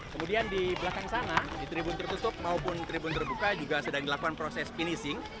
kemudian di belakang sana di tribun tertutup maupun tribun terbuka juga sedang dilakukan proses finishing